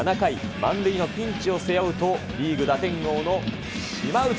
満塁のピンチを背負うと、リーグ打点王の島内。